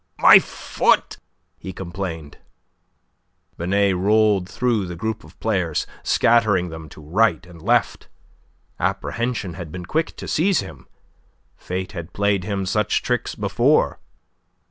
"My foot!" he complained. Binet rolled through the group of players, scattering them to right and left. Apprehension had been quick to seize him. Fate had played him such tricks before.